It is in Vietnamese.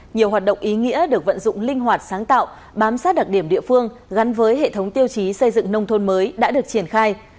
nhiều hoạt động ý nghĩa được vận dụng linh hoạt sáng tạo bám sát đặc điểm địa phương gắn với hệ thống tiêu chí xây dựng nông thôn mới đã được triển khai